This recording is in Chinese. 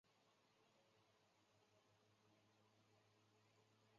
她拥有一个水晶般的嗓音和宽阔的音域。